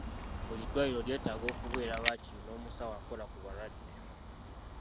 Buli ddwaliro lyetaaga okubeera waakiri n'omusawo akola ku balwadde.